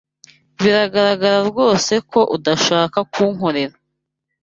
Biragaragara rwose ko udashaka kunkorera.